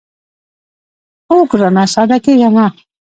اوو ګرانه ساده کېږه مه.